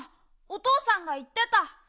おとうさんがいってた。